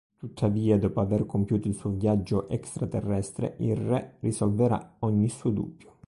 Tuttavia, dopo aver compiuto il suo viaggio extraterrestre, il re risolverà ogni suo dubbio.